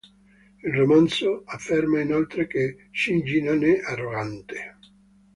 Il romanzo afferma inoltre che Shinji non è arrogante.